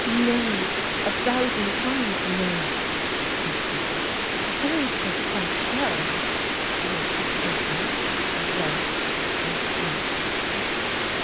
"No, a thousand times, no!" she said. "You're going to get quite well. But you must be patient and rest and sleep."